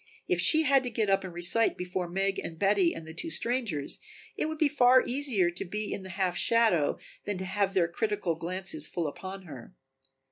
If she had to get up and recite before Meg and Betty and the two strangers it would be far easier to be in the half shadow than to have their critical glances full upon her.